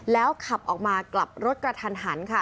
แล้วขับออกมากลับรถกระทันหันค่ะ